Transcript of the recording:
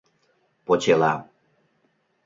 Почела...